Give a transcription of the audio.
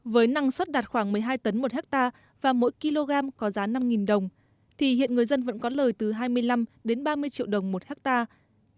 với năng suất đạt khoảng một mươi hai tấn một hectare và mỗi kg có giá năm đồng thì hiện người dân vẫn có lời từ hai mươi năm đến ba mươi triệu đồng một hectare